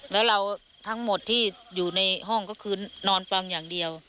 แล้วเราทั้งหมดที่อยู่ในห้องก็คือนอนฟังอย่างเดียว